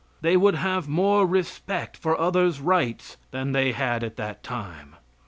They would have more respect for others' rights than they had at that time.